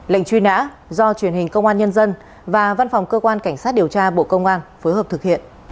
lệnh truy nã do truyền hình công an nhân dân và văn phòng cơ quan cảnh sát điều tra bộ công an phối hợp thực hiện